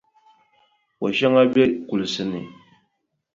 Koʼ shɛŋa be kulisi ni.